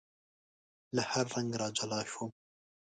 له هر رنګ را جلا شوم